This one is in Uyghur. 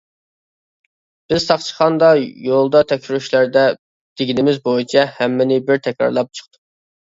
بىز ساقچىخانىدا ، يولدا تەكشۈرۈشلەردە دېگىنىمىز بويىچە ھەممىنى بىر تەكرارلاپ چىقتۇق.